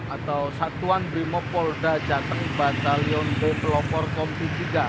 atau satuan brimob polda jateng batalion b pelopor komti tiga